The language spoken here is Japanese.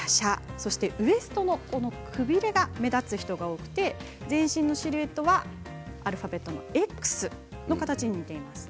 そしてウエストのくびれが目立つ人が多くて全身のシルエットはアルファベットのＸの形に似ています。